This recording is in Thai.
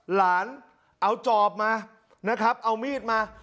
หลานเอาจอบมานะครับเอามีดมา